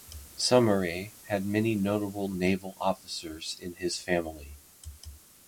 Saumarez had many notable naval officers in his family.